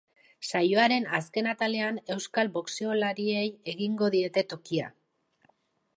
Saioaren azken atalean, euskal boxeolariei egingo diete tokia.